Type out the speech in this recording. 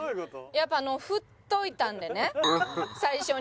やっぱり振っといたんでね最初に。